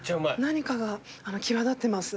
何かが際立ってます。